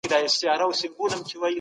هغه تيت څراغ ته